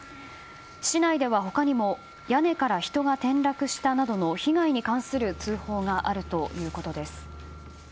市内では他にも屋根から人が転落したなどの被害に関する通報があるということです。